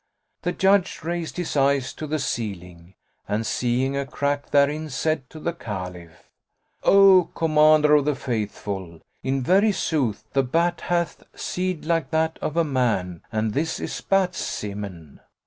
The Judge raised his eyes to the ceiling and, seeing a crack therein, said to the Caliph, "O Commander of the Faithful, in very sooth the bat hath seed like that of a man,[FN#121] and this is bat's semen."